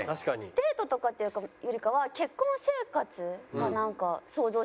デートとかっていうよりかは結婚生活がなんか想像しやすいなと思って。